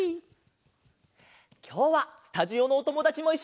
きょうはスタジオのおともだちもいっしょだよ！